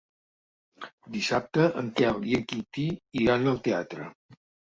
Dissabte en Quel i en Quintí iran al teatre.